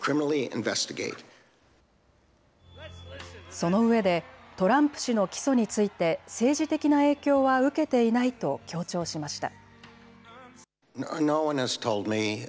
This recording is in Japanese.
そのうえでトランプ氏の起訴について政治的な影響は受けていないと強調しました。